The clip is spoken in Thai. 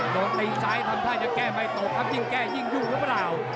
โดนตีซ้ายทำท่าจะแก้ไม่ตกครับยิ่งแก้ยิ่งยุ่งหรือเปล่า